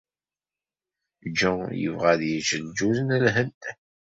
Jean yebɣa ad yečč lǧuz n Lhend.